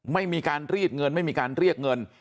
ไม่มีการรีดเงินไม่มีการเรียกเงิน